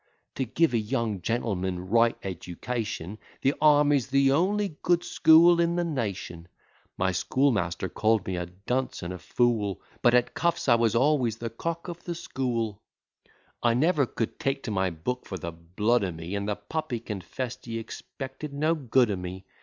To give a young gentleman right education, The army's the only good school in the nation: My schoolmaster call'd me a dunce and a fool, But at cuffs I was always the cock of the school; I never could take to my book for the blood o' me, And the puppy confess'd he expected no good o' me.